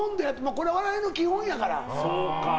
これは笑いの基本やから。